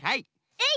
えい！